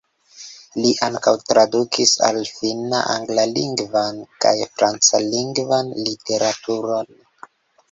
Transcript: Li ankaŭ tradukis al finna anglalingvan kaj francalingvan literaturon.